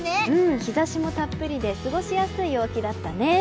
日差しもたっぷりで過ごしやすい陽気だったね。